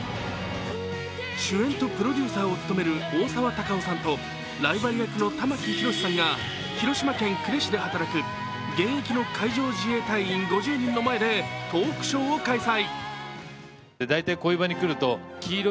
主演とプロデューサーを務める大沢たかおさんとライバル役の玉木宏さんが、広島県呉市で働く、現役の海上自衛隊員５０人の前でトークショーを開催。